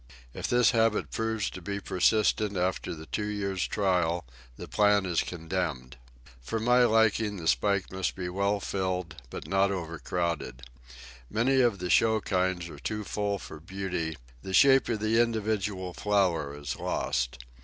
If this habit proves to be persistent after the two years' trial, the plant is condemned. For my liking the spike must be well filled, but not overcrowded. Many of the show kinds are too full for beauty; the shape of the individual flower is lost.